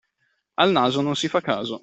Al naso non si fa caso.